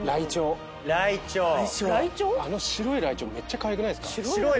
白いライチョウめっちゃかわいくないですか？